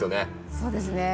そうですね。